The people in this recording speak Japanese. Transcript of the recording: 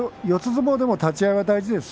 相撲でも立ち合いは大事です。